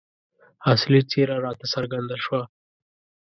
اصلي څېره راته څرګنده شوه.